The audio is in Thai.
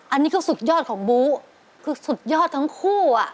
อันนี้ก็สุดยอดของบู๊คือสุดยอดทั้งคู่อ่ะ